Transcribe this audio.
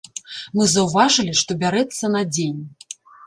Мы заўважылі, што бярэцца на дзень.